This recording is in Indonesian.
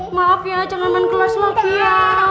maaf ya jangan main gelas lagi ya